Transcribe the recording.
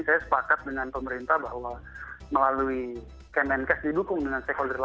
saya sepakat dengan pemerintah bahwa melalui kemenkes didukung dengan stakeholder lain